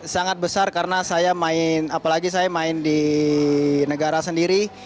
sangat besar karena apalagi saya main di negara sendiri